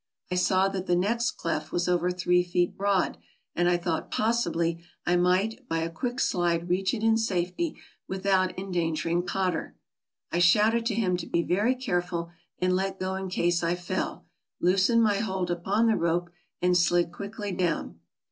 I saw that the next cleft was over three feet broad, and I thought possibly I might by a quick slide reach it in safety without endangering Cot ter. I shouted to him to be very careful and let go in case I fell, loosened my hold upon the rope, and slid quickly down.